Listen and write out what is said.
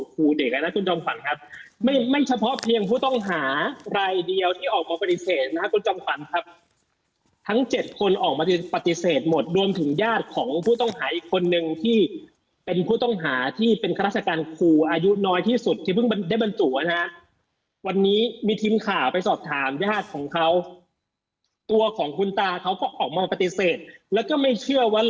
ครูเด็กแล้วนะคุณจอมฝันครับไม่ไม่เฉพาะเพียงผู้ต้องหารายเดียวที่ออกมาปฏิเสธนะครับคุณจอมขวัญครับทั้ง๗คนออกมาปฏิเสธหมดรวมถึงญาติของผู้ต้องหาอีกคนนึงที่เป็นผู้ต้องหาที่เป็นข้าราชการครูอายุน้อยที่สุดที่เพิ่งได้บรรจุนะฮะวันนี้มีทีมข่าวไปสอบถามญาติของเขาตัวของคุณตาเขาก็ออกมาปฏิเสธแล้วก็ไม่เชื่อวัน